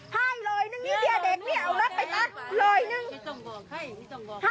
ให้เลยนึงนี่เดี๋ยวเด็กนี่เอาแล้วไปตัดเลยนึง